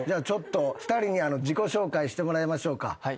ちょっと２人に自己紹介してもらいましょうか。